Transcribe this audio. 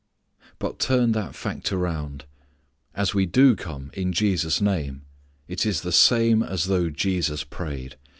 But turn that fact around. As we do come in Jesus' name, it is the same as though Jesus prayed.